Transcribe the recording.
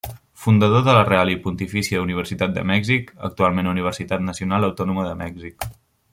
Fundador de la Real i Pontifícia Universitat de Mèxic, actualment Universitat Nacional Autònoma de Mèxic.